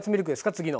次の。